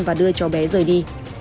và đưa cho bé rời đi